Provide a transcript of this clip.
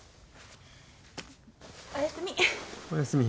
おやすみ。